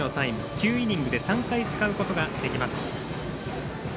９イニングで３回、使うことができます。